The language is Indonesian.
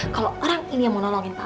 kalau orang ini yang mau nolongin pak